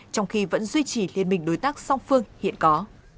trong khi vẫn duy trì liên minh đối tác song phương hiện có